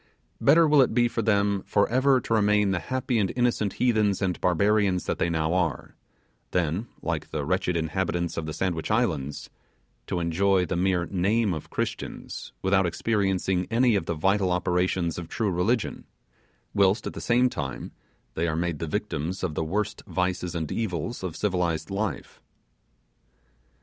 Better will it be for them for ever to remain the happy and innocent heathens and barbarians that they now are, than, like the wretched inhabitants of the Sandwich Islands, to enjoy the mere name of Christians without experiencing any of the vital operations of true religion, whilst, at the same time, they are made the victims of the worst vices and evils of civilized life.